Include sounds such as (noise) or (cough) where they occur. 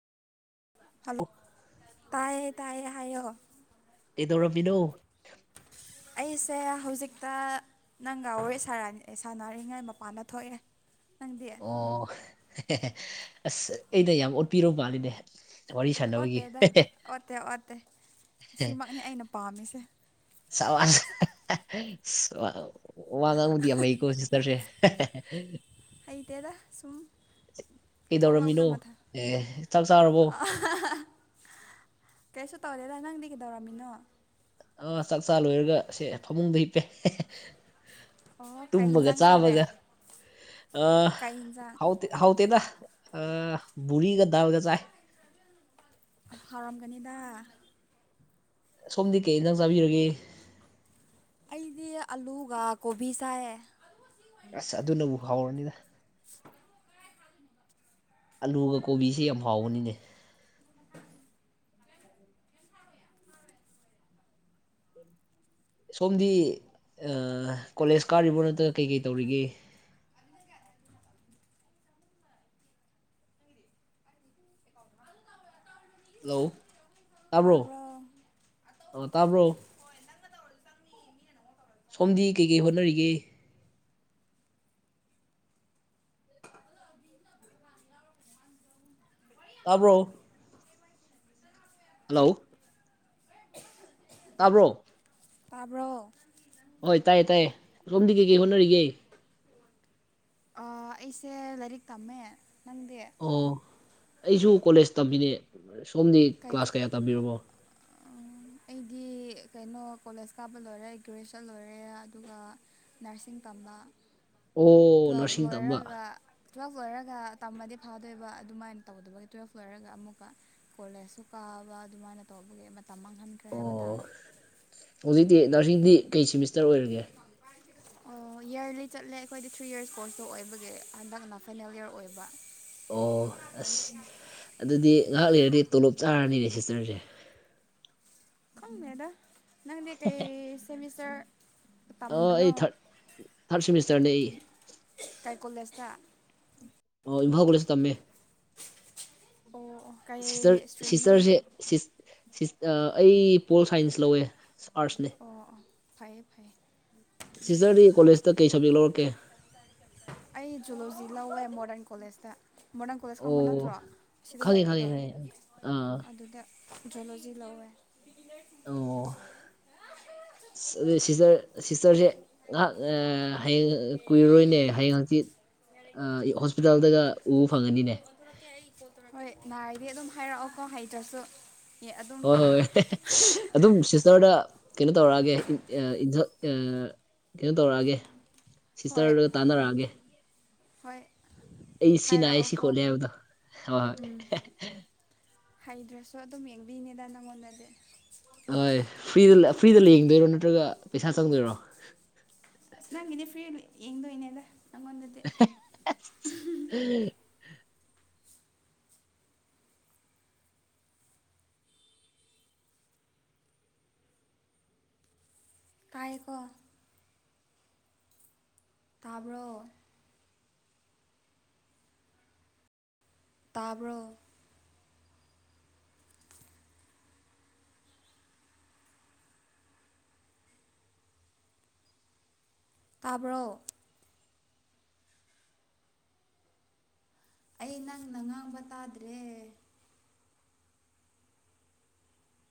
hello ꯇꯥꯏꯌꯦ ꯇꯥꯏꯌꯦ ꯍꯥꯏꯌꯣ ꯀꯩꯗꯧꯔꯝꯃꯤꯅꯣ ꯑꯩꯁꯦ ꯍꯧꯖꯤꯛꯇ ꯅꯪꯒ ꯋꯥꯔꯤ ꯁꯥꯟꯅꯔꯤꯉꯩ ꯃꯄꯥꯟꯗ ꯊꯣꯛꯑꯦ ꯅꯪꯗꯤ ꯑꯣ ꯑꯁ ꯑꯩꯅ ꯌꯥꯝ ꯑꯣꯠꯄꯤꯔꯨ ꯃꯥꯜꯂꯤꯅꯦ ꯋꯥꯔꯤ ꯁꯥꯟꯅꯕꯒꯤ ꯑꯣꯠꯇꯦꯗ ꯑꯣꯠꯇꯦ ꯑꯣꯠꯇꯦ ꯁꯤꯃꯛꯅꯤ ꯑꯩꯅ ꯄꯥꯝꯃꯤꯁꯦ ꯁꯋꯥꯁ ꯑ ꯋꯥ ꯉꯥꯡꯕꯗꯤ ꯌꯥꯝ ꯍꯩꯀꯣ ꯁꯤꯁꯇꯔꯁꯦ ꯍꯩꯇꯦꯗ ꯁꯨꯝ ꯀꯩꯗꯧꯔꯝꯃꯤꯅꯣ ꯊꯣꯛꯂꯛꯄꯗ ꯃꯊ ꯑꯦ ꯆꯥꯛ ꯆꯥꯔꯕꯣ ꯀꯩꯁꯨ ꯇꯧꯔꯦꯗ ꯅꯪꯗꯤ ꯀꯩꯗꯧꯔꯝꯃꯤꯅꯣ ꯑꯥ ꯆꯥꯛ ꯆꯥ ꯂꯣꯏꯔꯒ ꯁꯦ ꯐꯃꯨꯡꯗ ꯍꯤꯞꯄꯦ ꯑꯣ ꯀꯩ ꯍꯤꯟꯖꯥꯡ ꯆꯥꯔꯦ ꯑ ꯀꯩ ꯍꯤꯟꯖꯥꯡ ꯍꯥꯎ ꯍꯥꯎ ꯇꯦꯗ ꯑ ꯕꯨꯔꯤꯒ ꯗꯥꯜꯒ ꯆꯥꯏ ꯍꯥꯎꯔꯝꯒꯅꯤꯗꯥ ꯁꯣꯝꯗꯤ ꯀꯩ ꯍꯤꯟꯖꯥꯡ ꯆꯥꯕꯤꯔꯒꯦ ꯑꯩꯗꯤ ꯑꯂꯨꯒ ꯀꯣꯕꯤ ꯁꯥꯑꯦ ꯑꯁ ꯑꯗꯨꯅꯕꯨ ꯍꯥꯎꯔꯅꯤꯗ ꯑꯂꯨꯒ ꯀꯣꯕꯤꯁꯤ ꯌꯥꯝ ꯍꯥꯎꯕꯅꯤꯅꯦ ꯁꯣꯝꯗꯤ ꯑ ꯀꯣꯂꯦꯖ ꯀꯥꯔꯤꯕꯣ ꯅꯠꯇ꯭ꯔꯒ ꯀꯩ ꯀꯩ ꯇꯧꯔꯤꯒꯦ (inaudible) ꯍꯜꯂꯣ ꯇꯥꯕ꯭ꯔꯣ ꯑ ꯇꯥꯕ꯭ꯔꯣ ꯁꯣꯝꯗꯤ ꯀꯩꯀꯩ ꯍꯣꯠꯅꯔꯤꯒꯦ ꯇꯥꯕ꯭ꯔꯣ ꯍꯜꯂꯣ ꯇꯥꯕ꯭ꯔꯣ ꯇꯥꯕ꯭ꯔꯣ ꯍꯣꯏ ꯇꯥꯏꯌꯦ ꯇꯥꯏꯌꯦ ꯁꯣꯝꯗꯤ ꯀꯩꯀꯩ ꯍꯣꯠꯅꯔꯤꯒꯦ ꯑ ꯑꯩꯁꯦ ꯂꯥꯏꯔꯤꯛ ꯇꯝꯃꯦ ꯅꯪꯗꯤ ꯑꯣ ꯑꯩꯁꯨ ꯀꯣꯂꯦꯖ ꯇꯝꯃꯤꯅꯦ ꯁꯣꯝꯗꯤ ꯀꯩ ꯀ꯭ꯂꯥꯁ ꯀꯌꯥ ꯇꯝꯕꯤꯔꯕꯣ ꯑꯩꯗꯤ ꯀꯩꯅꯣ ꯀꯣꯂꯦꯖ ꯀꯥꯕ ꯂꯣꯏꯔꯦ ꯒ꯭ꯔꯦꯖꯨꯌꯦꯁꯟ ꯂꯣꯏꯔꯦ ꯑꯗꯨꯒ ꯅꯔꯁꯤꯡ ꯇꯝꯕ ꯑꯣ ꯇꯨꯋꯦꯜꯐ ꯅꯔꯁꯤꯡ ꯇꯝꯕ ꯂꯣꯏꯔꯒ ꯇꯨꯋꯦꯜꯐ ꯂꯣꯏꯔꯒ ꯇꯝꯃꯗꯤ ꯐꯗꯣꯏꯕ ꯑꯗꯨꯃꯥꯏꯅ ꯇꯧꯗꯕꯒꯤ ꯇꯨꯋꯜꯐ ꯂꯣꯏꯔꯒ ꯑꯃꯨꯛꯀ ꯀꯣꯂꯦꯖꯁꯨ ꯀꯥꯕ ꯑꯗꯨꯃꯥꯏꯅ ꯇꯧꯕꯒꯤ ꯃꯇꯝ ꯃꯥꯡꯍꯟꯈ꯭ꯔꯦ ꯍꯥꯏꯕ ꯑꯣ ꯇꯥꯔꯦ ꯍꯧꯖꯤꯛꯇꯤ ꯅꯔꯁꯤꯡꯗꯤ ꯀꯩ ꯁꯦꯃꯤꯁꯇꯔ ꯑꯣꯏꯔꯒꯦ ꯑꯣ ꯏꯌꯥꯔꯂꯤ ꯆꯠꯂꯦ ꯑꯩꯈꯣꯏꯗꯤ ꯊ꯭ꯔꯤ ꯌꯔꯁ ꯀꯣꯔꯁꯇꯣ ꯑꯣꯏꯕꯒꯤ ꯍꯟꯗꯛꯅ ꯐꯥꯏꯅꯦꯜ ꯌꯔ ꯑꯣꯏꯕ ꯑꯣ ꯑꯁ ꯑꯗꯨꯗꯤ ꯉꯍꯥꯛ ꯂꯩꯔꯗꯤ ꯇꯣꯂꯣꯞ ꯆꯥꯔꯅꯤꯅꯦ ꯁꯤꯁꯇꯔꯁꯦ ꯈꯪꯗꯦꯗ ꯅꯪꯗꯤ ꯀꯩ ꯁꯦꯃꯤꯁꯇꯔ (inaudible) ꯑꯣ ꯇꯝꯕꯅꯣ ꯑꯩ ꯊꯥꯔ ꯊꯥꯔꯠ ꯁꯤꯦꯃꯤꯁꯇꯔꯅꯦ ꯑꯩ ꯀꯣꯂꯦꯁꯇ ꯑꯣ ꯏꯝꯐꯥꯜ ꯀꯣꯂꯦꯁ ꯇꯝꯃꯦ ꯑꯣ ꯑꯣ ꯀꯩ ꯁꯤꯁꯇꯔ ꯏꯁꯇ꯭ꯔꯤꯝꯅꯣ ꯁꯤꯁꯇꯔꯁꯦ ꯁꯤꯁ ꯁꯤ ꯑ ꯑꯩ ꯄꯣꯜ ꯁꯥꯏꯟꯁ ꯂꯧꯋꯦ ꯑꯥꯔꯠꯅꯦ ꯑꯣ ꯑꯣ ꯐꯩꯌꯦ ꯐꯩꯌꯦ ꯁꯤꯖꯔꯗꯤ ꯀꯣꯂꯦꯖꯇ ꯀꯩ ꯁꯕꯖꯦꯛ ꯂꯧꯔꯛ ꯑꯦ ꯑꯩ ꯖꯨꯜꯂꯣꯖꯤ ꯂꯧꯋꯦ ꯃꯣꯗꯔꯟ ꯀꯣꯂꯦꯁꯇ ꯃꯣꯗꯔꯟ ꯀꯣꯂꯦꯖ ꯑꯣ ꯈꯪꯕ ꯅꯠꯇ꯭ꯔꯣ ꯁꯤꯗ ꯈꯪꯉꯦ ꯈꯪꯉꯦ ꯂꯩꯕꯗꯣ ꯈꯪꯉꯦ ꯑꯥ ꯑꯗꯨꯗ ꯖꯨꯂꯣꯖꯤ ꯂꯧꯋꯦ ꯑꯣ ꯑꯗꯨ ꯁꯤꯁꯇꯔ ꯁꯤꯁꯇꯔꯁꯦ ꯉꯥꯏꯍꯥꯛ ꯍꯌꯦꯡ ꯀꯨꯏꯔꯔꯣꯏꯅꯦ ꯍꯌꯦꯡ ꯍꯪꯆꯤꯠ ꯍꯣꯁꯄꯤꯇꯥꯜꯗꯒ ꯎꯕ ꯐꯪꯉꯅꯤꯅꯦ ꯗꯤ ꯑꯗꯨꯝ ꯍꯥꯏꯔꯛꯑꯣꯀꯣ ꯍꯩꯇ꯭ꯔꯁꯨ ꯑꯦ ꯑꯗꯨꯝ ꯍꯣꯏ ꯍꯣꯏ ꯑꯗꯨꯝ ꯁꯤꯁꯇꯔꯗ ꯀꯩꯅꯣ ꯇꯧꯔꯛꯑꯒꯦ ꯀꯩꯅꯣ ꯇꯧꯔꯛꯑꯒꯦ ꯍꯣꯏ ꯁꯤꯁꯇꯔꯗ ꯇꯥꯟꯅꯔꯛꯑꯒꯦ ꯍꯣꯏ ꯑꯦꯁꯤ ꯅꯥꯏ ꯁꯤ ꯍꯥꯏꯔꯛꯑꯣꯀꯣ ꯈꯣꯠꯂꯦ ꯍꯥꯢꯕꯗꯣ ꯍꯣ ꯍꯣꯢ ꯎꯝ ꯍꯩꯗ꯭ꯔꯁꯨ ꯑꯗꯨꯝ ꯌꯦꯡꯕꯤꯅꯦꯗ ꯅꯪꯉꯣꯟꯗꯗꯤ ꯍꯣꯏ ꯐ꯭ꯔꯤꯗ ꯐ꯭ꯔꯤꯗ ꯌꯦꯡꯗꯣꯏꯔꯣ ꯅꯠꯇ꯭ꯔꯒ ꯄꯩꯁꯥ ꯆꯪꯗꯣꯏꯔꯣ ꯅꯪꯒꯤꯗꯤ ꯐ꯭ꯔꯤ ꯌꯦꯡꯗꯣꯏꯅꯦꯗ ꯅꯪꯉꯣꯟꯗꯗꯤ (unintelligible) ꯇꯥꯏꯀꯣ ꯇꯥꯕ꯭ꯔꯣ ꯇꯥꯕ꯭ꯔꯣ ꯇꯥꯕ꯭ꯔꯣ ꯑꯩ ꯅꯪꯅ ꯉꯥꯡꯕ ꯇꯥꯗ꯭ꯔꯦ